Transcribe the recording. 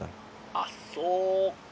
「あっそうか！